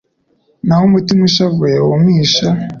naho umutima ushavuye wumisha